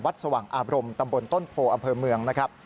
สว่างอาบรมตำบลต้นโพอำเภอเมืองนะครับ